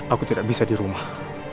aku tidak bisa di rumah